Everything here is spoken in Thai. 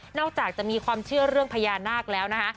จากจะมีความเชื่อเรื่องพญานาคแล้วนะคะ